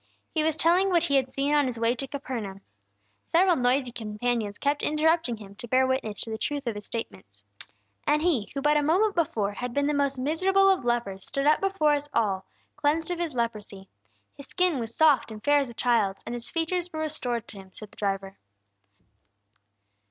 He was telling what he had seen on his way to Capernaum. Several noisy companions kept interrupting him to bear witness to the truth of his statements. "And he who but a moment before had been the most miserable of lepers stood up before us all, cleansed of his leprosy. His skin was soft and fair as a child's, and his features were restored to him," said the driver.